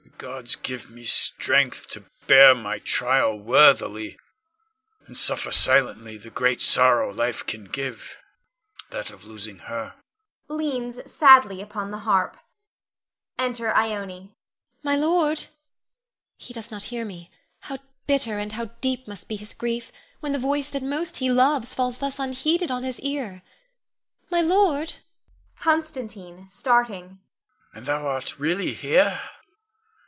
The gods give me strength to bear my trial worthily, and suffer silently the greatest sorrow life can give, that of losing her [leans sadly upon the harp]. [Enter Ione. Ione. My lord He does not hear me, how bitter and how deep must be his grief, when the voice that most he loves falls thus unheeded on his ear. My lord Con. [starting]. And thou art really here?